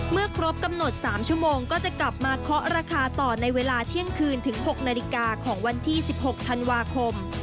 ครบกำหนด๓ชั่วโมงก็จะกลับมาเคาะราคาต่อในเวลาเที่ยงคืนถึง๖นาฬิกาของวันที่๑๖ธันวาคม